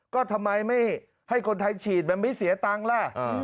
ก็ทำไมไม่ให้คนไทยฉีดมันไม่เสียตังค์ล่ะ